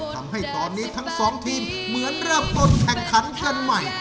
ทำให้ตอนนี้ทั้งสองทีมเหมือนเริ่มต้นแข่งขันกันใหม่